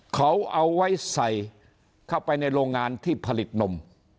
เขาเอาไว้ใส่เข้าไปในโรงงานที่ผลิตนม